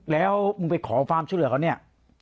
แล้วมึงไปขอความช่วยเหลือเขาเนี่ย